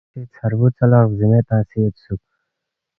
یان٘ی سی دے ژھربُو ژا لہ غزِیمے تنگسے یودسُوک